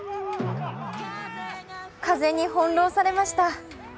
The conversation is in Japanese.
風に翻弄されました。